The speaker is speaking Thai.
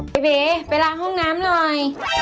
พี่เบ๋ไปล้างห้องน้ำหน่อย